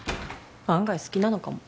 案外好きなのかも。